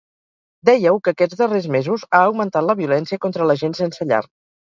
Dèieu que aquests darrers mesos ha augmentat la violència contra la gent sense llar.